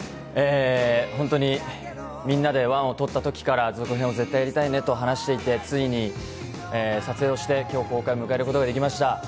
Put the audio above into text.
本当にみんなで１を撮った時から続編をやりたいねと話していて、ついに撮影をして、今日公開を迎えることができました。